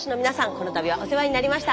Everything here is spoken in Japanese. この度はお世話になりました。